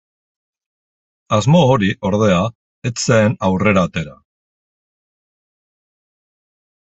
Asmo hori, ordea, ez zen aurrera atera.